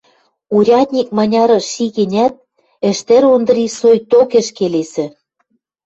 Урядник маняры ши гӹнят, Ӹштӹр Ондри соикток ӹш келесӹ.